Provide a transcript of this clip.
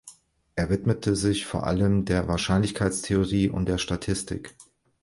Er widmete sich vor allem der Wahrscheinlichkeitstheorie und der Statistik.